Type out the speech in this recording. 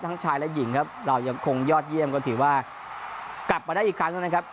ชายและหญิงครับเรายังคงยอดเยี่ยมก็ถือว่ากลับมาได้อีกครั้งหนึ่งนะครับ